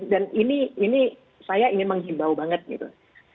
dan ini saya ingin menghimbau banget gitu